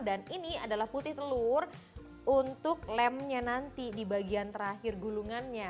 dan ini adalah putih telur untuk lemnya nanti di bagian terakhir gulungannya